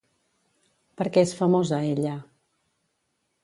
Per què és famosa ella?